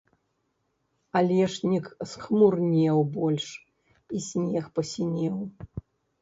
Алешнік схмурнеў больш, і снег пасінеў.